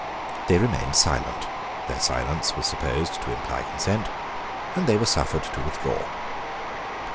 They remained silent: their silence was supposed to imply consent; and they were suffered to withdraw.